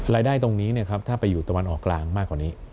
รายได้ตรงนี้ถ้าไปอยู่ตะวันออกกลางมากกว่านี้